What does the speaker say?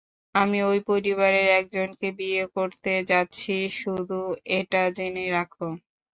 আমি ওই পরিবারের একজনকে বিয়ে করতে যাচ্ছি, শুধু এটা জেনে রাখো।